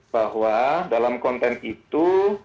bahwa dalam konten itu